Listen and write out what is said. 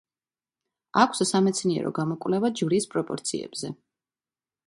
აქვს სამეცნიერო გამოკვლევა ჯვრის პროპორციებზე.